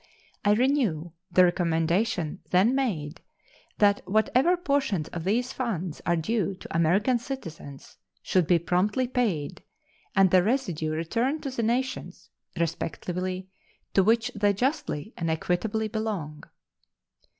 I renew the recommendation then made that whatever portions of these funds are due to American citizens should be promptly paid and the residue returned to the nations, respectively, to which they justly and equitably belong.